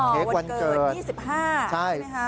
เค้กวันเกิด๒๕ใช่ไหมคะ